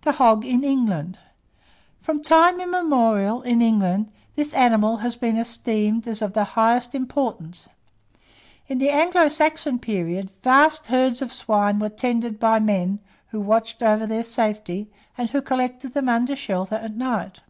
THE HOG IN ENGLAND. From time immemorial, in England, this animal has been esteemed as of the highest importance. In the Anglo Saxon period, vast herds of swine were tended by men, who watched over their safety, and who collected them under shelter at night.